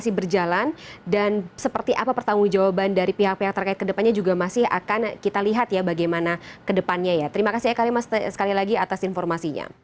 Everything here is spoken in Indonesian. selamat malam eka